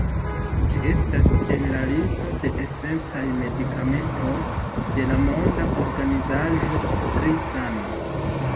Ĝi estas en la listo de esencaj medikamentoj de la Monda Organizaĵo pri Sano.